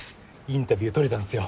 インタビュー撮れたんすよ。